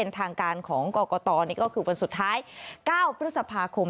ทางการของกรกตนี่ก็คือวันสุดท้าย๙พฤษภาคม